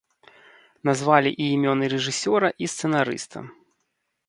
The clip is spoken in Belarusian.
Назвалі і імёны рэжысёра і сцэнарыста.